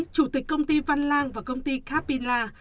chủ tịch công ty văn lang và công ty capingla